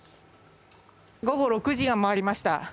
午後６時を回りました。